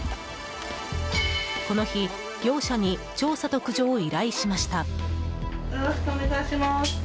この日、業者に調査と駆除を依頼しました。